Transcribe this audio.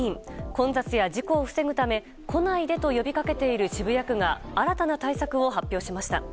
混雑や事故を防ぐため来ないでと呼びかけている渋谷区が新たな対策を発表しました。